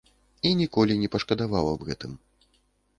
І ніколі не пашкадаваў аб гэтым.